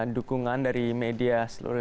dukungan dari media